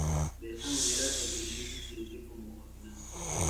De esa manera, el violín se siente como "afinado".